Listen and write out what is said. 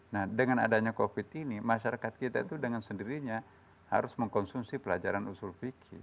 nah dengan adanya covid ini masyarakat kita itu dengan sendirinya harus mengkonsumsi pelajaran usul fikir